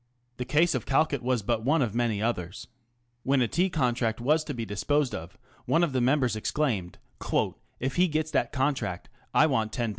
The case of Calcutt was but one of many others. When a tea contract was to be disposed of, one of the members exclaimed, " If he gets that contract, I want^io."